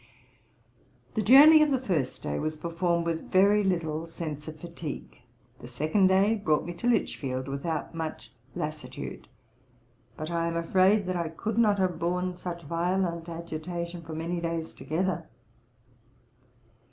The journey of the first day was performed with very little sense of fatigue; the second day brought me to Lichfield, without much lassitude; but I am afraid that I could not have borne such violent agitation for many days together.